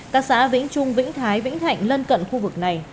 các xã vĩnh trung vĩnh thái vĩnh thạnh lân cận khu vực này